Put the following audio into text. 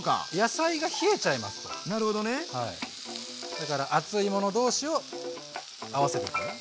だから熱いもの同士を合わせていく。